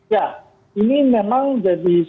ya ini memang jadi sesuatu yang tidak terlalu berhasil